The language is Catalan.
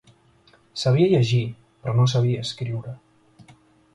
Sabia llegir, però no sabia escriure.